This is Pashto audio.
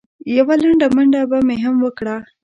یوه لنډه منډه به مې هم وکړه.